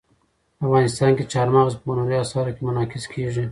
افغانستان کې چار مغز په هنري اثارو کې منعکس کېږي.